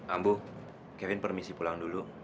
ambu kevin permisi pulang dulu